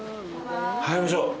入りましょう。